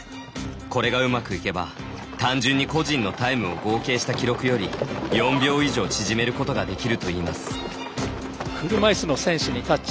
これがうまくいけば単純に個人のタイムを合計した記録より４秒以上縮めることができるといいます。